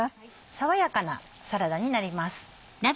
爽やかなサラダになります。